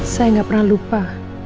saya nggak pernah lupa